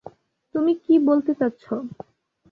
তুমি কি বলতে চাচ্ছ?